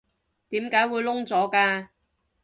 點解會燶咗㗎？